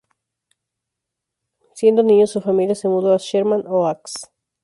Siendo niño, su familia se mudó a Sherman Oaks.